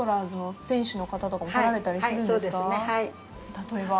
例えば？